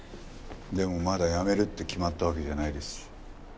でもまだ辞めるって決まったわけじゃないですし。